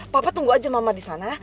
papa tunggu aja mama di sana